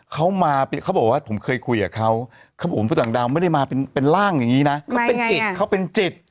เขามาเขาบอกว่าผมเคยคุยกับเขาเขาบอกว่าผู้ต่างดาวไม่ได้มาเป็นร่างอย่างนี้นะเขาเป็นจิตเขาเป็นจิต